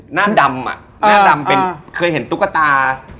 หน้าดำอ่ะหน้าดำเป็นเคยเห็นตุ๊กตา